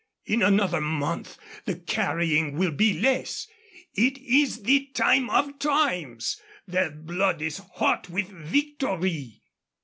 In another month the carrying will be less. It is the time of times. Their blood is hot with victory."